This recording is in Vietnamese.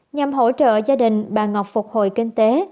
nhằm hỗ trợ gia đình bà ngọc phục hồi kinh tế